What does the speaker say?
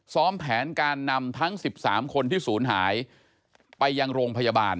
แผนการนำทั้ง๑๓คนที่ศูนย์หายไปยังโรงพยาบาล